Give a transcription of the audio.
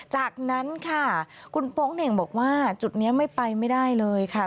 จากนั้นค่ะคุณโป๊งเหน่งบอกว่าจุดนี้ไม่ไปไม่ได้เลยค่ะ